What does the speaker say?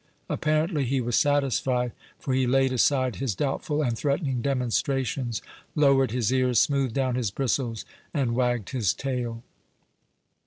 Apparently he was satisfied, for he laid aside his doubtful and threatening demonstrations, lowered his ears, smoothed down his bristles, and wagged his tail.